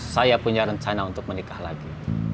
saya punya rencana untuk menikah lagi